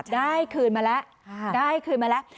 ได้คืนมาแล้ว